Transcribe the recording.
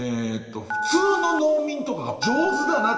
普通の農民とかが「上手だな」